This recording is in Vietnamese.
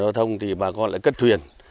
giao thông thì bà con lại cất thuyền